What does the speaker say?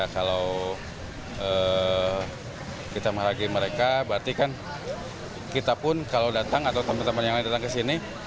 kalau kita menghargai mereka berarti kan kita pun kalau datang atau teman teman yang lain datang ke sini